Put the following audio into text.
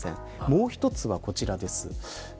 もう一つは、こちらです。